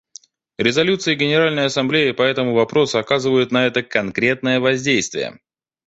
Резолюции Генеральной Ассамблеи по этому вопросу оказывают на это конкретное воздействие.